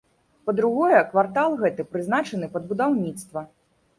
Па другое, квартал гэты прызначаны пад будаўніцтва.